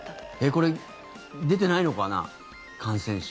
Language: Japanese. これ、出てないのかな感染者。